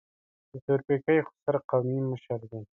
د تورپیکۍ خوسر قومي مشر دی.